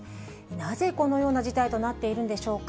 なぜこのような事態となっているんでしょうか。